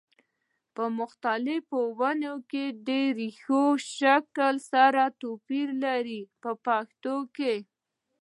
په مختلفو ونو کې د ریښو شکل سره توپیر لري په پښتو کې.